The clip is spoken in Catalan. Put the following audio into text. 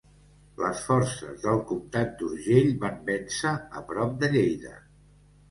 Les forces del comtat d'Urgell van vèncer a prop de Lleida.